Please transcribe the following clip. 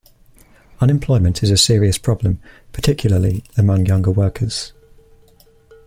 Unemployment is a serious problem, particularly among younger workers.